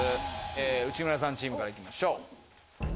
内村さんチームから行きましょう。